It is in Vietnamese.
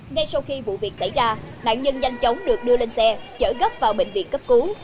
ngay sau khi vụ việc xảy ra nạn nhân nhanh chóng được đưa lên xe chở gấp vào bệnh viện cấp cứu